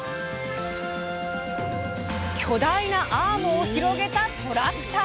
巨大なアームを広げたトラクター！